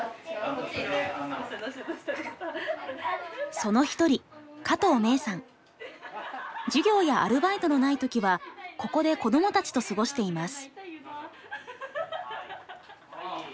その一人授業やアルバイトのない時はここで子どもたちと過ごしています。